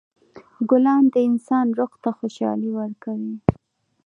ګلان د انسان روح ته خوشحالي ورکوي.